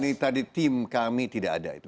dari prabowo sandi dan tim kami tidak ada itu